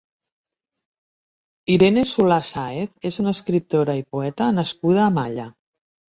Irene Solà Sàez és una escriptora i poeta nascuda a Malla.